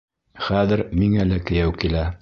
Хәҙер миңә лә кейәү килә.